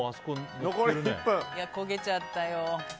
焦げちゃったよ。